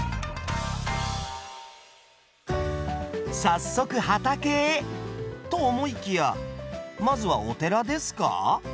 早速畑へ。と思いきやまずはお寺ですか。